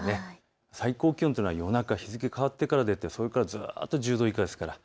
最高気温というのは夜中、日付が変わってから出た、それからずっと１０度以下です。